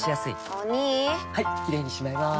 お兄はいキレイにしまいます！